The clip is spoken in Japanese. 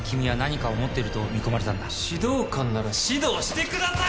指導官なら指導してください。